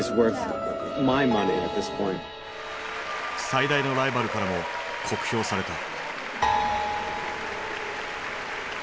最大のライバルからも酷評された。